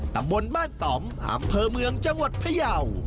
ตำบลบ้านต่อมอำเภอเมืองจังหวัดพยาว